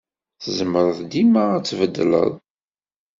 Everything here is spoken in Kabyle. Tzemreḍ dima ad tbeddeleḍ.